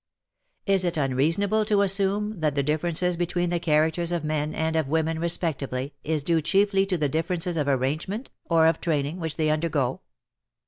Is it unreasonable to assume that the differences between the characters of men and of women respectively, is due chiefly to the differences of arrangement^ or of training, which they undergo